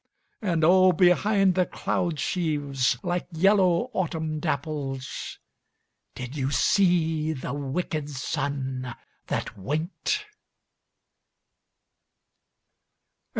And oh, behind the cloud sheaves, like yellow autumn dapples, Did you see the wicked sun that winked?